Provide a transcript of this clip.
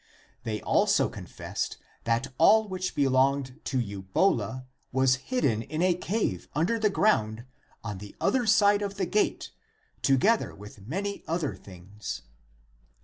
They also confessed that all which belonged to Eu bola was hidden in a cave under the ground on the other side of the gate together with many other things.